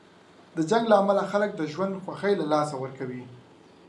د جنګ له امله خلک د ژوند خوښۍ له لاسه ورکوي.